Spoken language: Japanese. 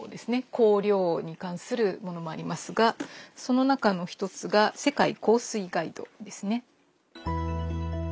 香料に関するものもありますがその中の一つが「世界香水ガイド」ですね。